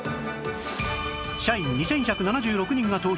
社員２１７６人が投票！